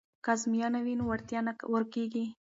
که ازموینه وي نو وړتیا نه ورکیږي.